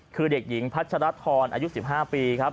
คือเด็กหญิงพัชรทรอายุ๑๕ปีครับ